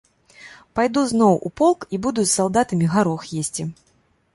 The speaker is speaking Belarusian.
Пайду зноў у полк і буду з салдатамі гарох есці.